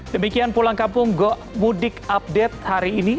demikian pulang kampung go mudik update hari ini